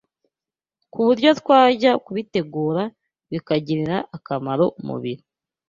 ku buryo twajya tubitegura bikagirira akamaro umubiri